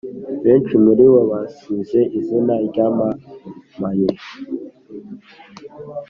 Benshi muri bo basize izina ryamamaye,